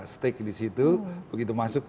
stake disitu begitu masuk